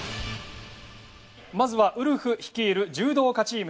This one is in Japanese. まずはウルフ率いる柔道家チーム。